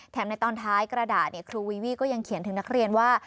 ในตอนท้ายกระดาษครูวีวี่ก็ยังเขียนถึงนักเรียนว่า